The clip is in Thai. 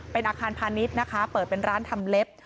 เป็นอาคารพาณิชย์นะคะเปิดเป็นร้านทำเล็บ